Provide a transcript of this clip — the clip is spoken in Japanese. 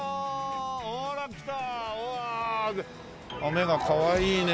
目がかわいいね。